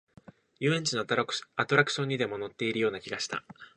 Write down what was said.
遊園地のアトラクションにでも乗っているような気がした